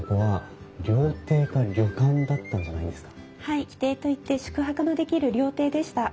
はい旗亭といって宿泊のできる料亭でした。